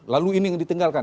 lalu ini yang ditinggalkan